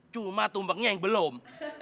cuma tumpangnya yang belum